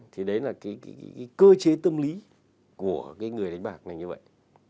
thì đấy là cái cơ chế tâm lý của cái người đánh bạc này như vậy